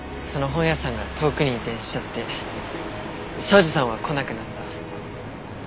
その本屋さんが遠くに移転しちゃって庄司さんは来なくなった。